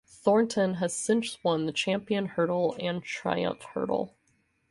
Thornton has since won the Champion Hurdle and Triumph Hurdle.